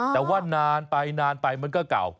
แต่ว่านานไปมันก็เก่า